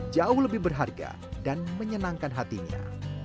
jauh lebih berharga dan menyenangkan hatinya